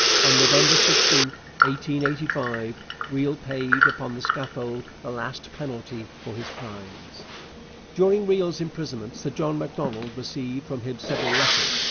On November 16, 1885, Riel paid upon the scaffold the last penalty for his crimes. During Riel's imprisonment Sir John Macdonald received from him several letters.